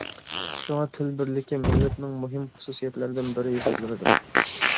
شۇڭا، تىل بىرلىكى مىللەتنىڭ مۇھىم خۇسۇسىيەتلىرىدىن بىرى ھېسابلىنىدۇ.